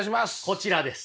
こちらです。